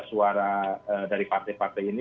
suara dari partai partai ini